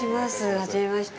初めまして。